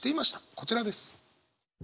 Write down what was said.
こちらです。